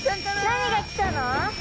何がきたの？